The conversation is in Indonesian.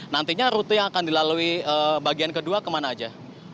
nantinya rute yang akan dilalui bagian kedua kemana aja